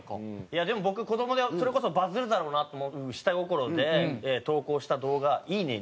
いやでも僕子供でそれこそバズるだろうなと思う下心で投稿した動画「いいね」